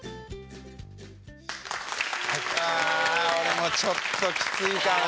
俺もうちょっときついかな。